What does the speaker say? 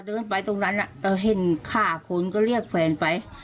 เดินไปตรงนั้นเราเห็นฆ่าคนก็เรียกแฟนไป